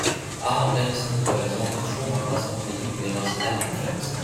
Aaron Dennison war der Sohn des Schuhmachers und Musiklehrers Andrew Dennison.